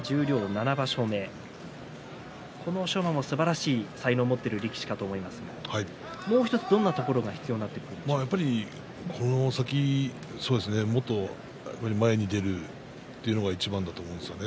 ７場所目欧勝馬もすばらしい才能を持っている力士だと思いますがもう１つどんなところがやはりこの先前に出るというのがいちばんだと思うんですね。